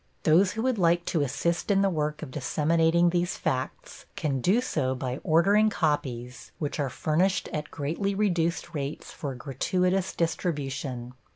Those who would like to assist in the work of disseminating these facts, can do so by ordering copies, which are furnished at greatly reduced rates for gratuitous distribution.